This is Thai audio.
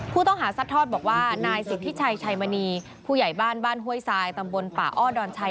ซัดทอดบอกว่านายสิทธิชัยชัยมณีผู้ใหญ่บ้านบ้านห้วยทรายตำบลป่าอ้อดอนชัย